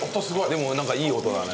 でもなんかいい音だね。